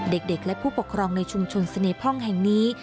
เด็กและผู้ปกครองในชุมชนเสน่ห้องแห่งนี้